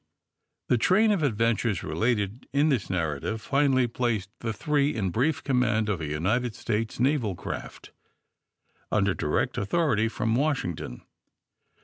The train of adventures related in this narrative finally placed the three in brief command of a United States naval craft, under direct authority from Washington.